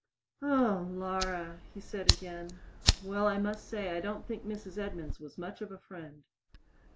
"O, Laura!" he said again. "Well, I must say I don't think Mrs. Edmunds was much of a friend!"